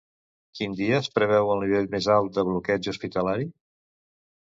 Quin dia es preveu el nivell més alt de bloqueig hospitalari?